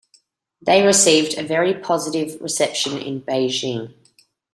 They received a very positive reception in Beijing.